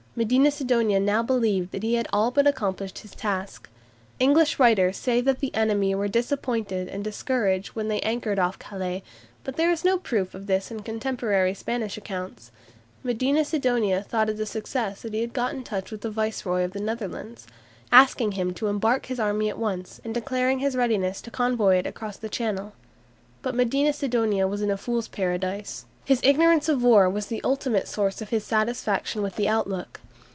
Medina Sidonia now believed that he had all but accomplished his task. English writers say that the enemy were disappointed and discouraged when they anchored off Calais, but there is no proof of this in contemporary Spanish accounts. Medina Sidonia thought it a success that he had got into touch with the Viceroy of the Netherlands. He had sent off a messenger to his head quarters at Dunkirk, asking him to embark his army at once, and declaring his readiness to convoy it across Channel. But Medina Sidonia was in a fool's paradise. His ignorance of war was the ultimate source of his satisfaction with the outlook.